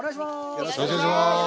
よろしくお願いします。